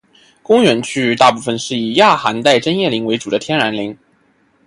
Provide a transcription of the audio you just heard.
公园区域大部分是以亚寒带针叶林为主的天然林。